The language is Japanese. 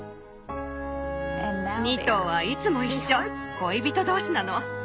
２頭はいつも一緒恋人同士なの。